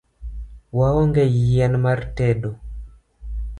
Waonge yien mar tedo